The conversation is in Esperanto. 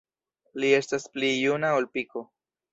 Li estas pli juna ol Piko.